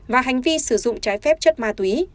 và hành vi sử dụng trái phép chất ma túy